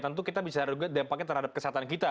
tentu kita bisa ada dampaknya terhadap kesehatan kita